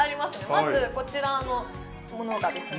まずこちらのものがですね